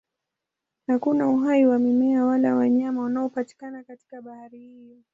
Hakuna uhai wa mimea wala wanyama unaopatikana katika bahari hiyo.